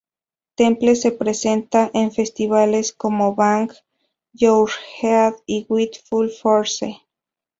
Temple se presenta en festivales como Bang Your Head y With Full Force.